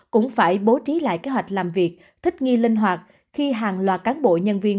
cũng phải bố trí lại kế hoạch làm việc thích nghi linh hoạt khi hàng loạt cán bộ nhân viên